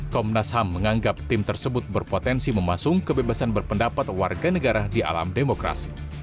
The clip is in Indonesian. komnas ham menganggap tim tersebut berpotensi memasung kebebasan berpendapat warga negara di alam demokrasi